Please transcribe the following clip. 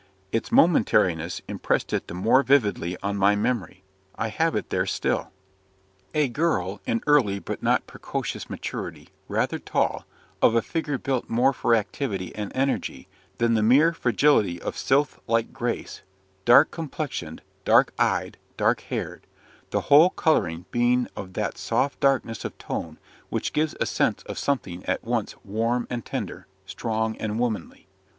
Its momentariness impressed it the more vividly on my memory I have it there still. A girl, in early but not precocious maturity, rather tall, of a figure built more for activity and energy than the mere fragility of sylph like grace: dark complexioned, dark eyed, dark haired the whole colouring being of that soft darkness of tone which gives a sense of something at once warm and tender, strong and womanly.